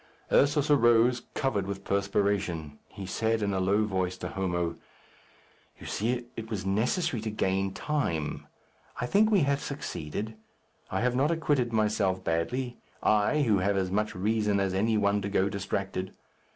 Ursus arose, covered with perspiration. He said, in a low voice, to Homo, "You see it was necessary to gain time. I think we have succeeded. I have not acquitted myself badly I, who have as much reason as any one to go distracted.